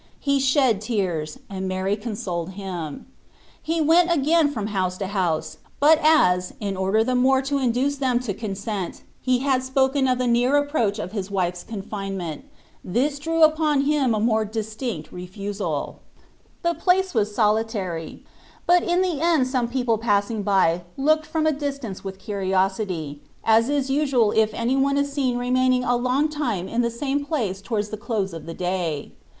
He shed tears, and Mary consoled him. He went again from house to house ; but as, in order the more to induce them to con sent, he had spoken of the near approach ut Xovfc Scans Gbrist. 73 of his wife s confinement, this drew upon him a more distinct refusal. The place was solitary ; but in the end some people passing by looked from a distance with curiosity, as is usual if any one is seen remaining a long time in the same place towards the close of the day.